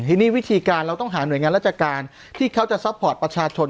ทีนี้วิธีการเราต้องหาหน่วยงานราชการที่เขาจะซัพพอร์ตประชาชน